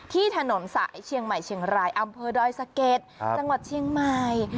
ที่ถนนสายเชียงใหม่เชียงรายอำเภอดอยสะเก็ดจังหวัดเชียงใหม่